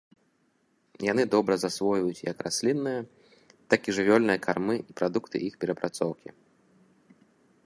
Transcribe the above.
Яны добра засвойваюць як раслінныя, так і жывёльныя кармы і прадукты іх перапрацоўкі.